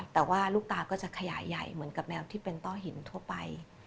แต่ว่าลูกตาก็จะขยายใหญ่เหมือนกับแมวที่เป็นต้อหินทั่วไป